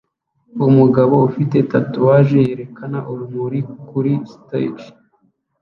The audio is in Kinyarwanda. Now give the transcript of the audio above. Umugabo ufite tatouage yerekana urumuri kuri stage